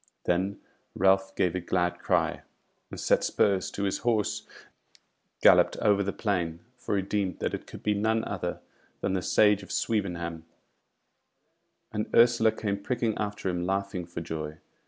Then Ralph gave a glad cry, and set spurs to his horse and galloped over the plain; for he deemed that it could be none other than the Sage of Swevenham; and Ursula came pricking after him laughing for joy.